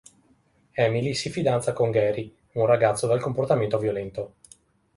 Emily si fidanza con Gary, un ragazzo dal comportamento violento.